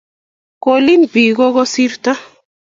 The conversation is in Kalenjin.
Ko lin biik kokosirto